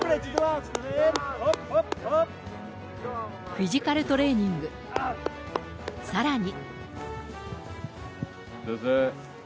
フィジカルトレーニング、さらに。